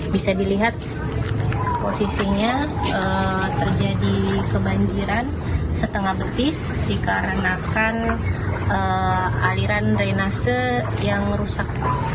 bisa dilihat posisinya terjadi kebanjiran setengah betis dikarenakan aliran drainase yang rusak